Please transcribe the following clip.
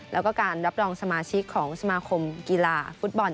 แล้วก็การรับรองสมาชิกของสมาคมกีฬาฟุตบอล